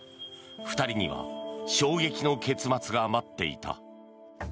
２人には衝撃の結末が待っていた。